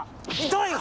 痛い！